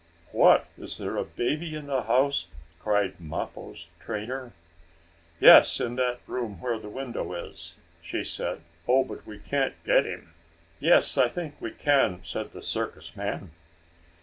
"What, is there a baby in the house?" cried Mappo's trainer. "Yes. In that room where the window is," she said. "Oh, but we can't get him." "Yes, I think we can!" said the circus man.